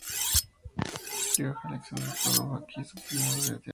George Alexander produjo aquí su primera obra de teatro.